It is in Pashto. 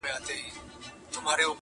په یوه ژبه ګړیږو یو له بله نه پوهیږو!!